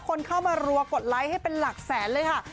คนเข้ามารัวกดไลค์ให้เป็นหลักแสนเลยค่ะ